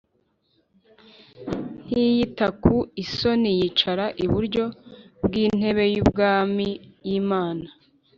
ntiyita ku isoni yicara iburyo bw intebe y ubwami y Imana